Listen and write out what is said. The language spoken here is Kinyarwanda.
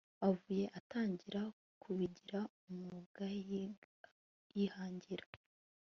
avuyeyo atangira kubigira umwuga yihangira